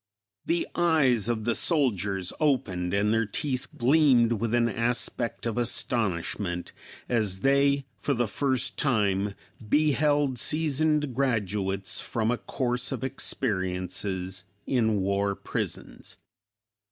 The eyes of the soldiers opened and their teeth gleamed with an aspect of astonishment, as they for the first time beheld seasoned graduates from a course of experiences in war prisons.